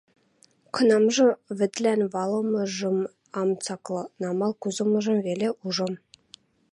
Кынамжы вӹдлӓн валымыжым ам цаклы, намал кузымыжым веле ужам.